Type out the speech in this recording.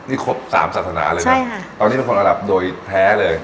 นี่ครบ๓ศาสนาเลยนะตอนนี้เป็นคนอารับโดยแท้เลย